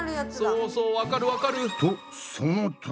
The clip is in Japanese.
そうそうわかるわかる！